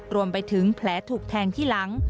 รวมไปถึงแผลถูกแทงที่หลัง